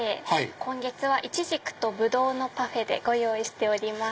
今月はいちじくとぶどうのパフェでご用意しております。